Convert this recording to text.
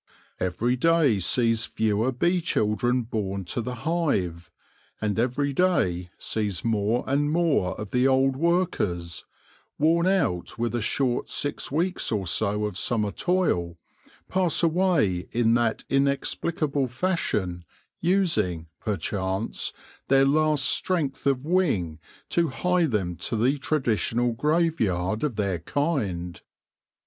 Every day sees fewer bee children born to the hive, and every day sees more and more of the old workers — worn out with a short six weeks or so of summer toil — pass away in that inexplicable fashion, using, perchance, their last strength of wing to hie them to the traditional grave yard of their kind.